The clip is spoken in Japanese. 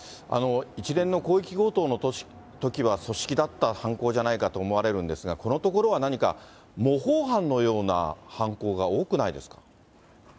一連の広域強盗のときは組織だった犯行じゃないかと思われるんですが、このところは何か、模倣犯のような犯行が多くないですか？